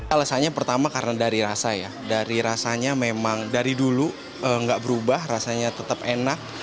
alasannya pertama karena dari rasa ya dari rasanya memang dari dulu nggak berubah rasanya tetap enak